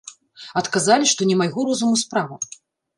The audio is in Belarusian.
Адказалі, што не майго розуму справа.